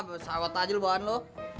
eh sawat aja lu bahan lu